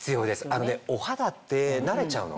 あのねお肌って慣れちゃうの。